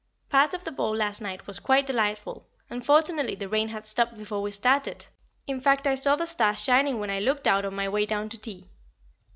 Part of the ball last night was quite delightful, and fortunately the rain had stopped before we started, in fact, I saw the stars shining when I looked out on my way down to tea.